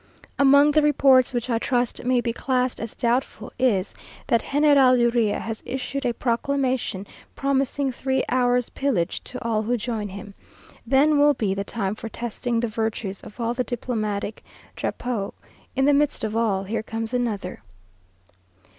Among the reports which I trust may be classed as doubtful, is, that General Urrea has issued a proclamation, promising three hours' pillage to all who join him. Then will be the time for testing the virtues of all the diplomatic drapeaux. In the midst of all, here comes another.